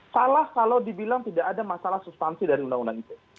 salah kalau dibilang tidak ada masalah substansi dari undang undang ite